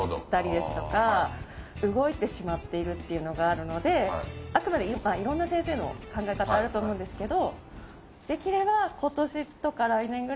動いてしまっているっていうのがあるのでいろんな先生の考え方あると思うんですけど。